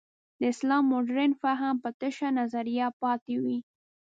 د اسلام مډرن فهم به تشه نظریه پاتې وي.